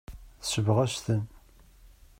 Tesbeɣ-as-ten.